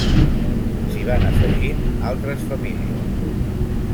S'hi van afegint altres famílies.